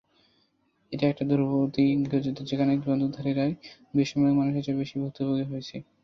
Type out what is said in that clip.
এটা একটা ধ্রুপদি গৃহযুদ্ধ, যেখানে বন্দুকধারীরাই বেসামরিক মানুষের চেয়ে বেশি ভুক্তভোগী হয়েছে।